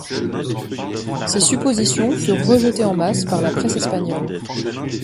Ces suppositions furent rejetées en masse par la presse espagnole.